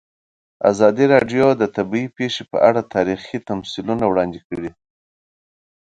ازادي راډیو د طبیعي پېښې په اړه تاریخي تمثیلونه وړاندې کړي.